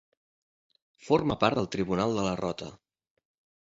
Forma part del Tribunal de la Rota.